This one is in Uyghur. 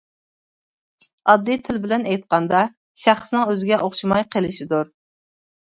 ئاددىي تىل بىلەن ئېيتقاندا، شەخسنىڭ ئۆزىگە ئوخشىماي قېلىشىدۇر.